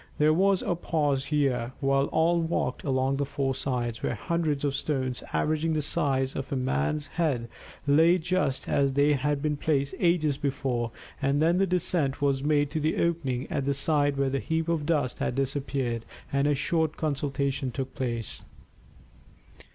There was a pause here while all walked along the four sides, where hundreds of stones averaging the size of a man's head lay just as they had been placed ages before; and then the descent was made to the opening at the side where the heap of dust had disappeared, and a short consultation took place.